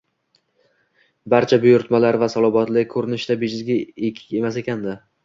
Buncha buyurtmalar va salobatli ko`rinish bejizga emas ekan-da